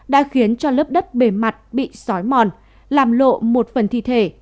đã khiến cho lớp đất bề mặt bị sói mòn làm lộ một phần thi thể